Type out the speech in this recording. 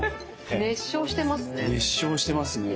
熱唱してますね。